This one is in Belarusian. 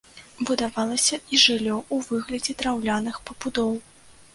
Будавалася і жыллё у выглядзе драўляных пабудоў.